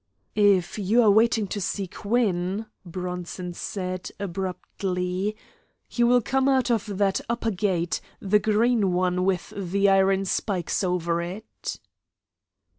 "If you are waiting to see Quinn," Bronson said, abruptly, "he will come out of that upper gate, the green one with the iron spikes over it."